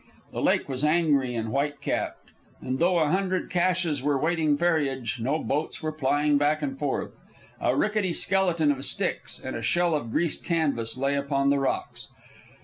The lake was angry and white capped, and though a hundred caches were waiting ferriage, no boats were plying back and forth. A rickety skeleton of sticks, in a shell of greased canvas, lay upon the rocks.